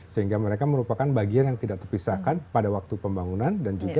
sehingga mereka merupakan bagian yang tidak terpisahkan pada waktu pembangunan dan juga